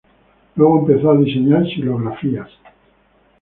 Luego empezó a diseñar xilografías.